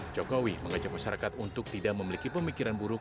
jokowi mengajak masyarakat untuk tidak memiliki pemikiran buruk